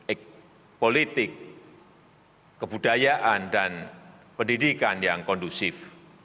baik politik kebudayaan dan pendidikan yang kondusif